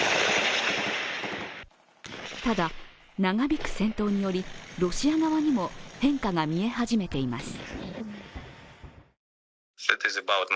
ただ、長引く戦闘によりロシア側にも変化が見え始めています。